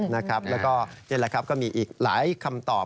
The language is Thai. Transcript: นี่ละครับก็มีอีกหลายคำตอบ